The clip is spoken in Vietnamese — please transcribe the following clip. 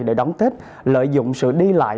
để đóng tết lợi dụng sự đi lại